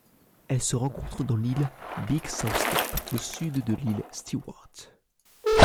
Elle se rencontre dans l'île Big South Cape au sud de l'île Stewart.